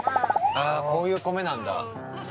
ああこういうコメなんだ。